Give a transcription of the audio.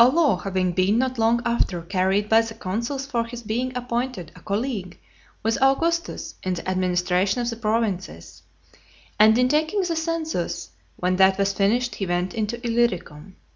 XXI. A law having been not long after carried by the consuls for his being appointed a colleague with Augustus in the administration of the provinces, and in taking the census, when that was finished he went into Illyricum .